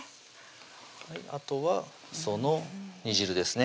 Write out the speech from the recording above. あとはその煮汁ですね